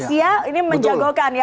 ini menjagokan ya